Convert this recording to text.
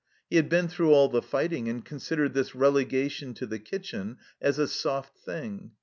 He had been through all the fighting, and considered this relegation to the kitchen as a " soft thing."